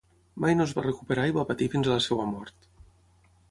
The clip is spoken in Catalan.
Mai no es va recuperar i va patir fins a la seva mort.